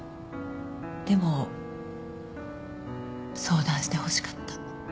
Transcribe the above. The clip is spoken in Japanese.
でも相談してほしかった。